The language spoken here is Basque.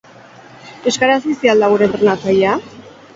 Euskaraz bizi al da gure entrenatzailea?